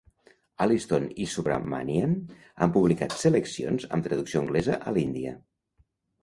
Aliston i Subramanian han publicat seleccions amb traducció anglesa a l'Índia.